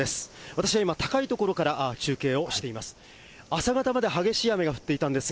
私は今、高い所から中継をしています。